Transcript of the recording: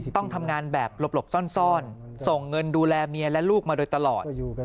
ต้องทำงานแบบหลบซ่อนส่งเงินดูแลเมียและลูกมาโดยตลอด